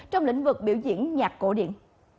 trong lĩnh vực biểu diễn nhạc cổ điện